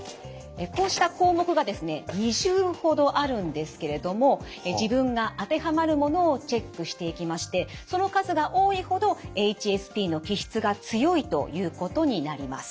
こうした項目がですね２０ほどあるんですけれども自分が当てはまるものをチェックしていきましてその数が多いほどＨＳＰの気質が強いということになります。